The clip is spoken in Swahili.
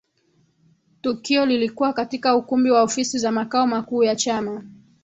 Tukio lilikuwa katika ukumbi wa ofisi za makao makuu ya Chama